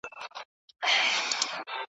په ټوله ورځ مي ایله وګټله وچه ډوډۍ `